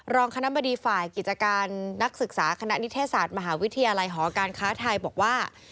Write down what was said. รองคณะบดีฝ่ายกิจการนักศึกษาคณะนิเทศศาสตร์มหาวิทยาลัยหอการค้าไทยบอกว่า